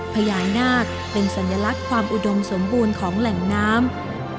พญานาคเป็นสัญลักษณ์ความอุดมสมบูรณ์ของแหล่งน้ำ